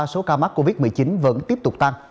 số ca mắc covid một mươi chín vẫn tiếp tục tăng